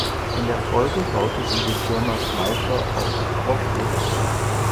In der Folge baute sie die Firma Schmeisser aus Rochlitz um.